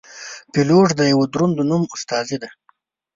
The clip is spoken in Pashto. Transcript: پیلوټ د یوه دروند نوم استازی دی.